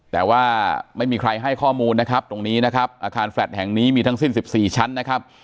แต่ว่าไม่มีใครให้ข้อมูลนะครับตรงนี้นะครับอาคารแฟลต์แห่งนี้มีทั้งสิ้น๑๔ชั้นนะครับ